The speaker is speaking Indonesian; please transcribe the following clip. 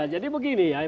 jadi begini ya